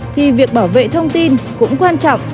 vì việc bảo vệ thông tin cũng quan trọng